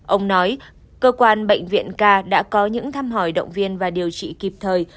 ông nói cơ quan bệnh viện k đã có những thăm hỏi động viên và điều trị kịp thời